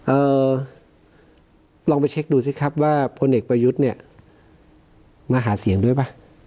เอ่อลองไปเช็คดูสิครับว่าพลเอกประยุทธ์เนี่ยมาหาเสียงด้วยป่ะ